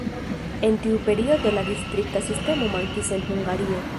En tiu periodo la distrikta sistemo mankis en Hungario.